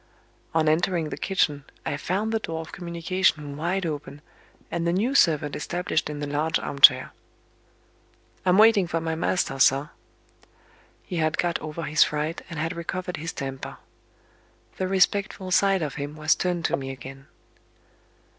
On entering the kitchen, I found the door of communication wide open, and the new servant established in the large armchair. "I'm waiting for my master, sir." He had got over his fright, and had recovered his temper. The respectful side of him was turned to me again.